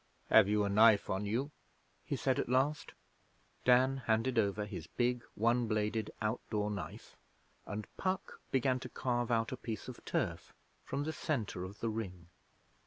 'Have you a knife on you?' he said at last. Dan handed over his big one bladed outdoor knife, and Puck began to carve out a piece of turf from the centre of the Ring.